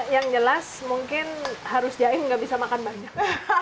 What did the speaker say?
yang jelas mungkin harus jaim nggak bisa makan banyak